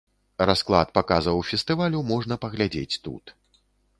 Расклад паказаў фестывалю можна паглядзець тут.